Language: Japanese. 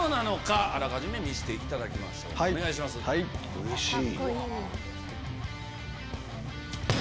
うれしい。